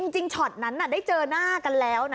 ช็อตนั้นได้เจอหน้ากันแล้วนะ